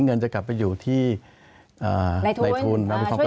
เงินจะกลับไปอยู่ที่ในทุน